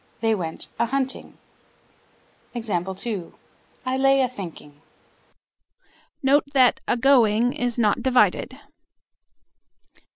They went a hunting. I lay a thinking. Note that "agoing" is not divided.